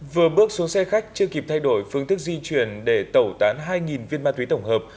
vừa bước xuống xe khách chưa kịp thay đổi phương thức di chuyển để tẩu tán hai viên ma túy tổng hợp